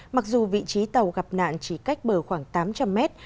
mặc dù vị trí tàu gặp nạn chỉ cách bờ khoảng tám trăm linh mét